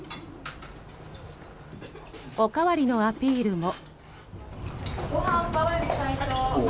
おかわりのアピールも。